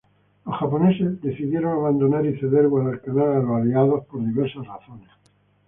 Los japoneses decidieron abandonar y ceder Guadalcanal a los Aliados por diversas razones.